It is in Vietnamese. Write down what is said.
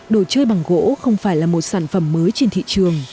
đồ chơi bằng gỗ không phải là một sản phẩm mới trên thị trường